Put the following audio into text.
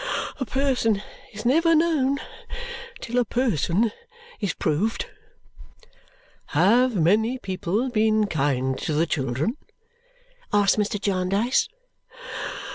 A person is never known till a person is proved." "Have many people been kind to the children?" asked Mr. Jarndyce.